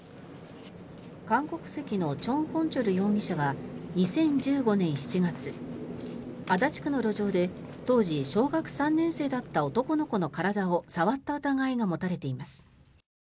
韓国籍のチョン・ホンチョル容疑者は２０１５年７月足立区の路上で当時小学３年生だった男の子の体を触った疑いが持たれています。